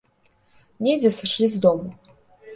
Недзе сышлі з дому.